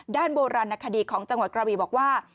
โบราณคดีของจังหวัดกระบีบอกว่า